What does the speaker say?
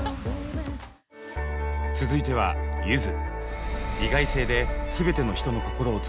続いてはゆず。